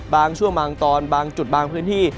บางชั่วมางตอนบางจุดบางพื้นที่